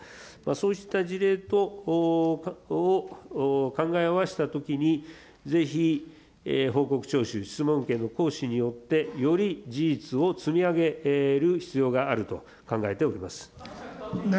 そうした事例を考えましたときに、ぜひ、報告徴収、質問権の行使によって、より事実を積み上げる必要があると考えております。